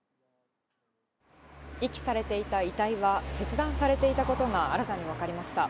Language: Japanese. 遺棄されていた遺体は、切断されていたことが、新たに分かりました。